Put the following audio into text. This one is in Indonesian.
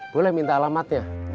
boleh minta alamatnya